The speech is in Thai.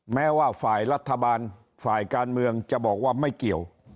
แม้ว่าฝ่ายรัฐบาลฝ่ายการเมืองจะบอกว่าไม่เกี่ยว